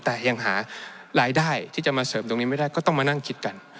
แต่ยังหารายได้ที่จะมาเสริมตรงนี้ไม่ได้ก็ต้องมานั่งคิดกัน